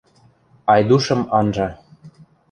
Айдушым анжа.